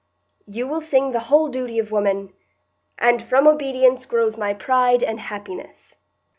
You will sing the whole duty of woman,—'And from obedience grows my pride and happiness.